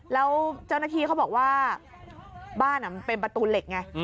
แล้วเจ้าหน้าที่เขาบอกว่าบ้านมันเป็นประตูเหล็กไง